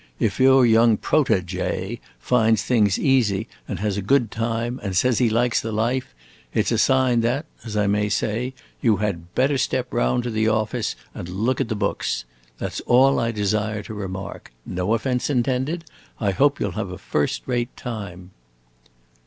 If your young protajay finds things easy and has a good time and says he likes the life, it 's a sign that as I may say you had better step round to the office and look at the books. That 's all I desire to remark. No offense intended. I hope you 'll have a first rate time."